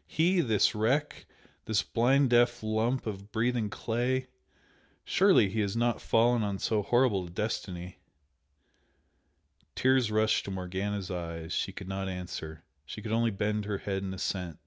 ... He, this wreck? this blind, deaf lump of breathing clay? Surely he has not fallen on so horrible a destiny!" Tears rushed to Morgana's eyes, she could not answer. She could only bend her head in assent.